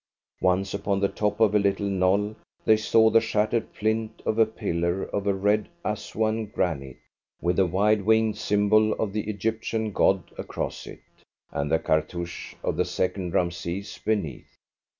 Once, upon the top of a little knoll, they saw the shattered plinth of a pillar of red Assouan granite, with the wide winged symbol of the Egyptian god across it, and the cartouche of the second Rameses beneath.